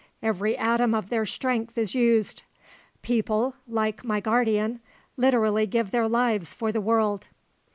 Every atom of their strength is used. People, like my guardian, literally give their lives for the world."